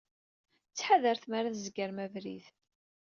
Ttḥadaret mi ara tzegrem abrid.